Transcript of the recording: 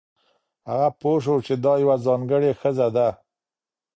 هغه پوه شو چې دا یوه ځانګړې ښځه ده.